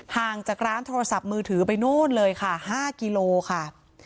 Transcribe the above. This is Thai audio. ห่างจากร้านโทรศัพท์มือถือไปนู่นเลยค่ะ๕กิโลค่ะ